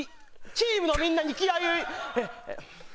チームのみんなに気合を。